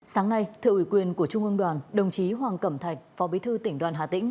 sáng nay thượng ủy quyền của trung ương đoàn đồng chí hoàng cẩm thạch phó bí thư tỉnh đoàn hà tĩnh